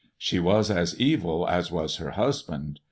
She was as evil as was her husband.